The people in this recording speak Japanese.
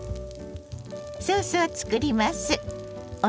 ソースを作ります。